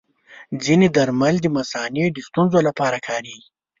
ځینې درمل د مثانې د ستونزو لپاره کارېږي.